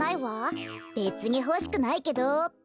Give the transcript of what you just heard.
「べつにほしくないけど」って。